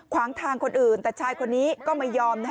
ขวางทางคนอื่นแต่ชายคนนี้ก็ไม่ยอม